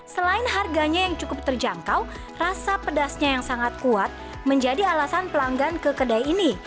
selain harganya yang cukup terjangkau rasa pedasnya yang sangat kuat menjadi alasan pelanggan ke kedai ini